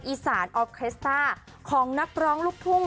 อิสานอลเคสตาของนักร้องลูกทุ่ง